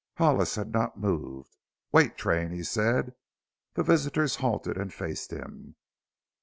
Hollis had not moved. "Wait, Train!" he said. The visitors halted and faced him.